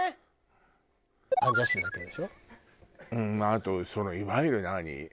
あとそのいわゆる何？